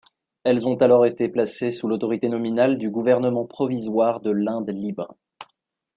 Elles ont alors été placées sous l'autorité nominale du Gouvernement provisoire de l'Inde libre.